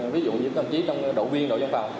ví dụ như các ông chí trong độ viên độ dân phòng